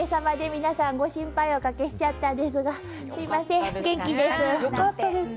皆さん、ご心配をおかけしちゃったんですがすみません、元気です。